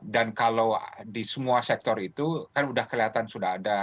dan kalau di semua sektor itu kan sudah kelihatan sudah ada